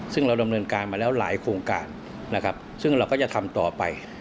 ซึ่งเราดำเนินการมาแล้วหลายโครงการนะครับซึ่งเราก็จะทำต่อไป